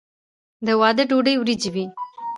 د واده ډوډۍ وریجې وي.